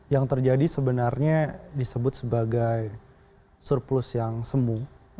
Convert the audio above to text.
yang terjadi sebenarnya disebut sebagai surplus yang semu